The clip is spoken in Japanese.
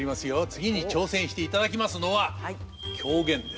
次に挑戦していただきますのは狂言です。